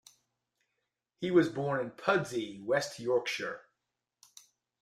He was born in Pudsey, West Yorkshire.